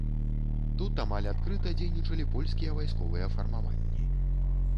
Тут амаль адкрыта дзейнічалі польскія вайсковыя фармаванні.